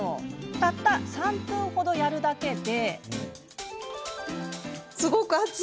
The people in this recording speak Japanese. たった３分程やるだけで。